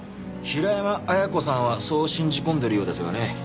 平山亜矢子さんはそう信じ込んでるようですがね